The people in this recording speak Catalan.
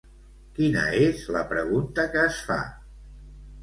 Quina és la pregunta que es fa?